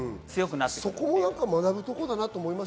そこは学ぶところだと思います。